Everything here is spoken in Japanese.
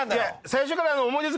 最初から。